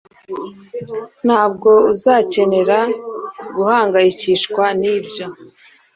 Ntabwo uzakenera guhangayikishwa nibyo